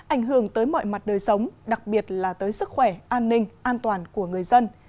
ảnh hưởng tới mọi mặt đời sống đặc biệt là tới sức khỏe an ninh an toàn của người dân